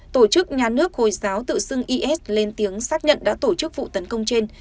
tổ chức nhà nước hồi giáo tự xưng is lên tiếng xác nhận đã tổ chức vụ tấn công trên